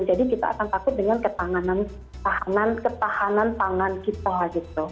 jadi kita akan takut dengan ketahanan tangan kita